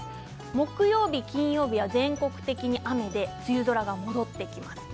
木曜日、金曜日は全国的に雨で梅雨空が戻ってきます。